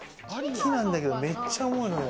木なんだけど、めっちゃ重いのよ。